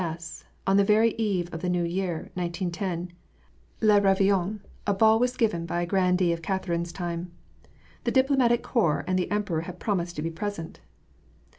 S., on the very eve of the new year, 1810, le rSveillon, a ball was given by a grandee of Catherine's time. The diplomatic corps and the emperor had promised to be present.